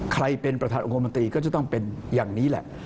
ใครเป็นประธานองคมนตรีก็จะต้องเป็นอย่างนี้แหละ